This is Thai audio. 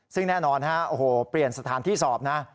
ซึ่งแน่นอนเปลี่ยนสถานที่สอบนะ